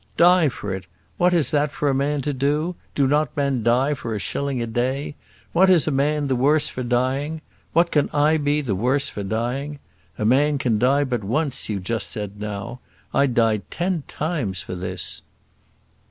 Die for it! What is that for a man to do? Do not men die for a shilling a day? What is a man the worse for dying? What can I be the worse for dying? A man can die but once, you said just now. I'd die ten times for this."